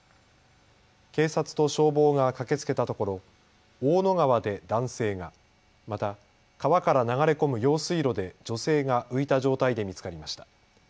警察と消防が駆けつけたところ大野川で男性が、また川から流れ込む用水路で女性が浮いた状態で見つかりました。